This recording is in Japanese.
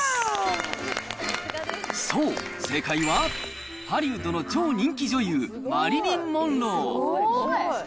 そう、正解は、ハリウッドの超人気女優、マリリン・モンロー。